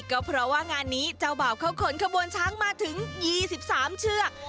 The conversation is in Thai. ก็เพราะว่างานนี้เจ้าบ่าวเขาขนขบวนช้างมาถึง๒๓เชือก